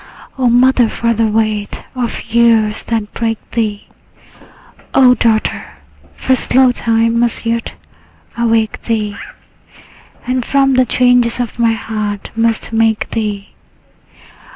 O mother, for the weight of years that break thee! O daughter, for slow time must yet awake thee, And from the changes of my heart must make thee!